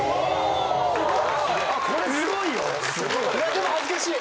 でも恥ずかしい。